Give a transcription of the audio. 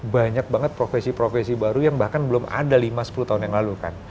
banyak banget profesi profesi baru yang bahkan belum ada lima sepuluh tahun yang lalu kan